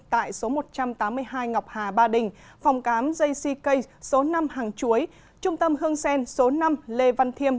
tại số một trăm tám mươi hai ngọc hà ba đình phòng khám jck số năm hàng chuối trung tâm hương sen số năm lê văn thiêm